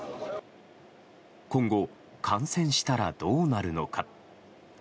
今後、感染したらどうなるのか。